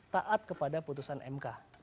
taat kepada putusan mk